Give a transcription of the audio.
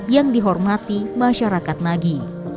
yang dihormati masyarakat nagi